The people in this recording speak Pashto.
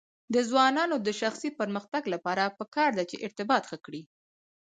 د ځوانانو د شخصي پرمختګ لپاره پکار ده چې ارتباط ښه کړي.